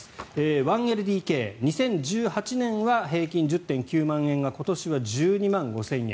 １ＬＤＫ、２０１８年は平均１０．９万円が今年は１２万５０００円。